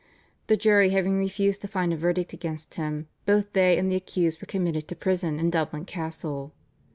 The jury having refused to find a verdict against him, both they and the accused were committed to prison in Dublin Castle.